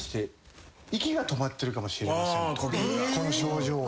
この症状は。